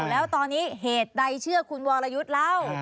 แล้วตอนนี้เหตุใดเชื่อคุณวรยุทธ์เล่า